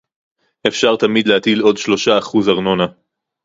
אפשר תמיד להטיל עוד שלושה אחוז ארנונה